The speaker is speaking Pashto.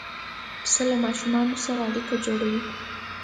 پسه له ماشوم سره اړیکه جوړوي.